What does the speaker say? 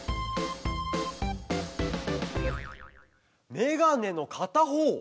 メガネのかたほう！